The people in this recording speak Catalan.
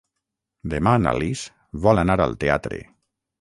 Demà na Lis vol anar al teatre.